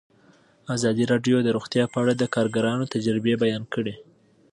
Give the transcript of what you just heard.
ازادي راډیو د روغتیا په اړه د کارګرانو تجربې بیان کړي.